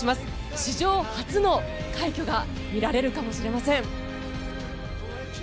史上初の快挙が見られるかもしれません。